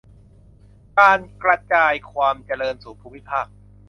การกระจายความเจริญสู่ภูมิภาค